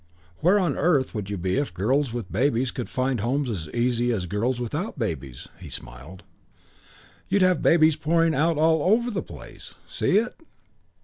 Where on earth would you be if girls with babies could find homes as easily as girls without babies?" He smiled. "You'd have babies pouring out all over the place. See it?"